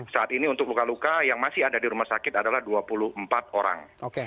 saat ini untuk luka luka yang masih ada di rumah sakit adalah dua puluh empat orang